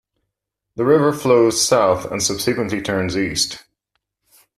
The river flows south and subsequently turns east.